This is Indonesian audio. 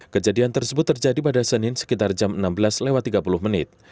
kejadian tersebut terjadi pada senin sekitar jam enam belas lewat tiga puluh menit